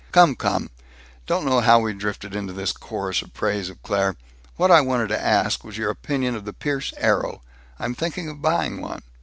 Come, come! Don't know how we drifted into this chorus of praise of Claire! What I wanted to ask was your opinion of the Pierce Arrow. I'm thinking of buying one.